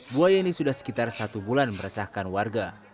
buaya ini sudah sekitar satu bulan meresahkan warga